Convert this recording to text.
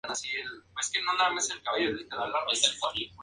En los centros de trabajos se realizan matutinos diarios.